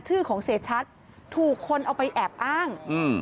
ชื่อของเสียชัดถูกคนเอาไปแอบอ้างอืม